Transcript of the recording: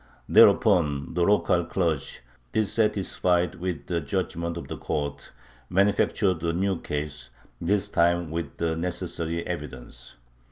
Thereupon the local clergy, dissatisfied with the judgment of the court, manufactured a new case, this time with the necessary "evidence."